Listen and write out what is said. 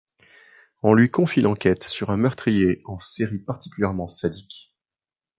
On lui confie l'enquête sur un meurtrier en série particulièrement sadique.